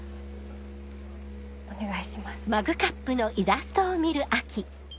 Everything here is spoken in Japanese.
お願いします。